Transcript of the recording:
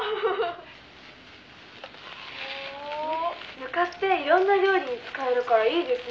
「ぬかっていろんな料理に使えるからいいですね」